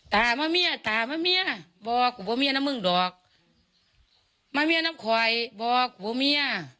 ตาแม่เมียตาแม่เมียบอกว่าแม่เมียน้ำเมืองดอกแม่เมียน้ำขวายบอกว่าแม่เมีย